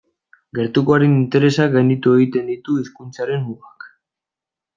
Gertukoaren interesak gainditu egiten ditu hizkuntzaren mugak.